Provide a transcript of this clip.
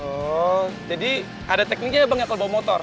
oh jadi ada tekniknya ya bang ya kalau bawa motor